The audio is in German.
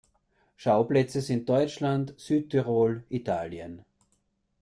Schauplätze sind Deutschland, Südtirol, Italien.